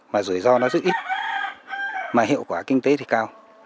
mà rủi ro nó rất ít mà hiệu quả kinh tế thì cao